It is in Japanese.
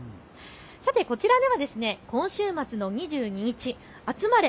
さてこちらでは今週末の２２日、集まれ！